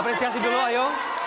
apresiasi dulu ayo